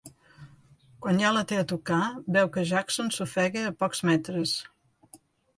Quan ja la té a tocar veu que Jackson s'ofega a pocs metres.